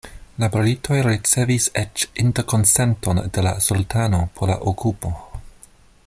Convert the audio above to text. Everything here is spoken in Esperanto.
La britoj ricevis eĉ "interkonsenton” de la sultano por la okupo.